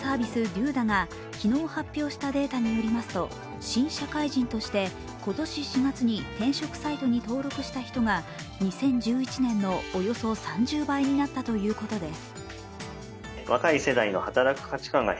ｄｏｄａが昨日発表したデータによると、新社会人として今年４月に転職サイトに登録した人が２０１１年のおよそ３０倍になったということです。